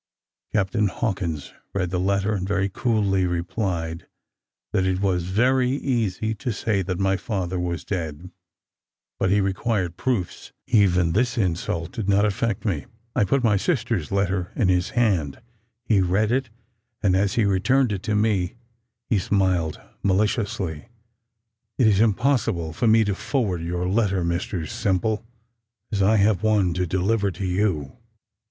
Captain Hawkins read the letter, and very coolly replied, that "it was very easy to say that my father was dead, but he required proofs." Even this insult did not affect me; I put my sister's letter in his hand he read it, and as he returned it to me, he smiled maliciously. "It is impossible for me to forward your letter, Mr Simple, as I have one to deliver to you."